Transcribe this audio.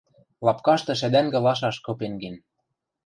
— Лапкашты шӓдӓнгӹ лашаш кыпен кен.